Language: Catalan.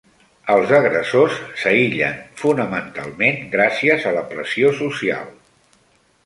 Els agressors s'aïllen fonamentalment gràcies a la pressió social.